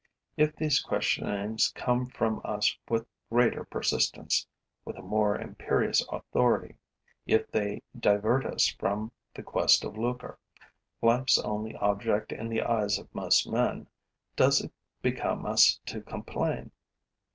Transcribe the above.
If these questionings come from us with greater persistence, with a more imperious authority, if they divert us from the quest of lucre, life's only object in the eyes of most men, does it become us to complain?